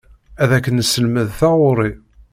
Ad ak-nesselmed taɣuri.